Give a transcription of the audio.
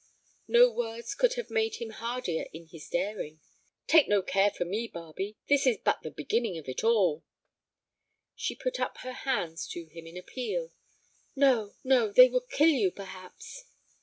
No words could have made him hardier in his daring. "Take no care for me, Barbe. This is but the beginning of it all." She put up her hands to him in appeal. "No, no; they would kill you, perhaps!"